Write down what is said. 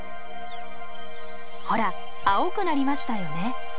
ほら青くなりましたよね。